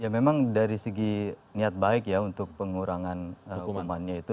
ya memang dari segi niat baik ya untuk pengurangan hukumannya itu